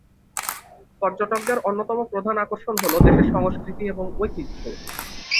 পর্যটকদের অন্যতম প্রধান আকর্ষণ হল দেশের সংস্কৃতি এবং ঐতিহ্য।